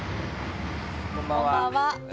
こんばんは。